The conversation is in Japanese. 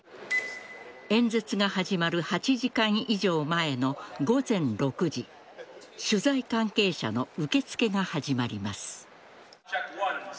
演説が始まる８時間以上前の午前６時取材関係者の受け付けが始まります。